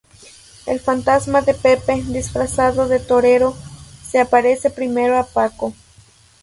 El fantasma de Pepe, disfrazado de torero, se aparece primero a Paco.